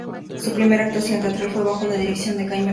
Su primer actuación teatral fue bajo la dirección de Jaime Kogan.